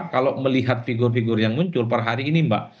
kalau melihat figur figur yang muncul per hari ini mbak